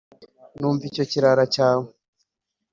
umva icyo kirara cyawe